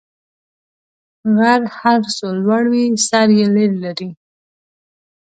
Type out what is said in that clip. غر هر څو لوړ وي، سر یې لېر لري.